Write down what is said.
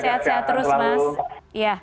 terima kasih jaga jaga selalu